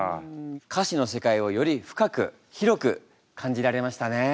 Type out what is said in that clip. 歌詞の世界をより深く広く感じられましたね。